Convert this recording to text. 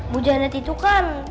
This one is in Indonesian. bu janet itu kan